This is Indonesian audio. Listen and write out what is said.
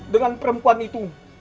dengan perempuan itu